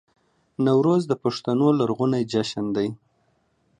نوروز د پښتنو لرغونی جشن دی